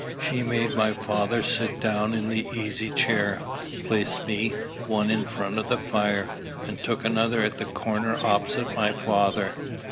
She made my father sit down in the easy chair, placed me one in front of the fire, and took another at the corner opposite my father.